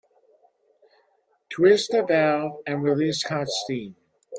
Twist the valve and release hot steam.